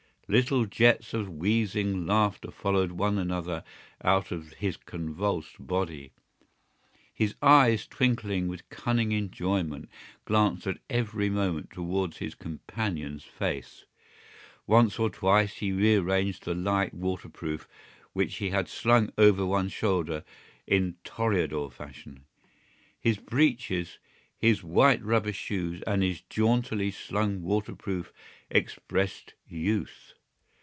Little jets of wheezing laughter followed one another out of his convulsed body. His eyes, twinkling with cunning enjoyment, glanced at every moment towards his companion's face. Once or twice he rearranged the light waterproof which he had slung over one shoulder in toreador fashion. His breeches, his white rubber shoes and his jauntily slung waterproof expressed youth.